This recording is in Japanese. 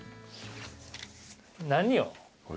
何を？